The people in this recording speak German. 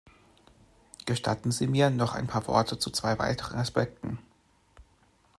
Gestatten Sie mir noch ein paar Worte zu zwei weiteren Aspekten.